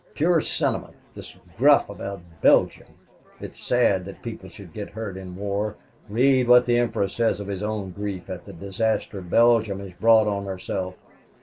Pure sentiment, this guff about Belgium. It is sad that people should get hurt in war. Read what the emperor says of his own grief at the disaster Belgium has brought on herself.